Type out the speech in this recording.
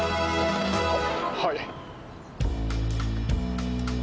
はっはい。